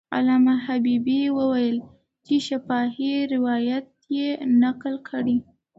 علامه حبیبي وویل چې شفاهي روایت یې نقل کړی.